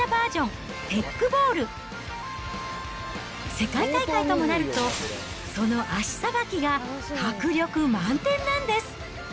世界大会ともなると、その脚さばきが迫力満点なんです。